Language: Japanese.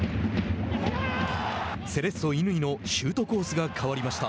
セレッソ乾のシュートコースが変わりました。